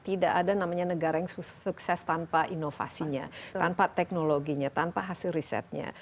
tidak ada namanya negara yang sukses tanpa inovasinya tanpa teknologinya tanpa hasil risetnya